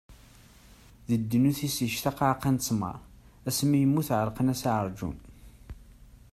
Di ddunit-is ictaq aɛeqqa n ttmer; asmi i yemmut ɛellqen-as aɛerjun.